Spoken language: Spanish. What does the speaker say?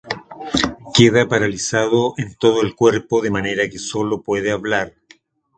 Queda paralizado en todo el cuerpo, de manera que sólo puede hablar.